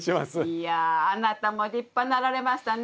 いやあなたも立派になられましたね。